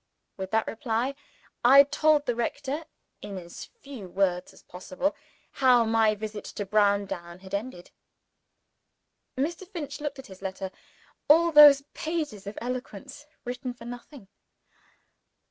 With that reply, I told the rector in as few words as possible how my visit to Browndown had ended. Mr. Finch looked at his letter. All those pages of eloquence written for nothing?